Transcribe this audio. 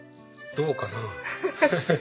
どうかな？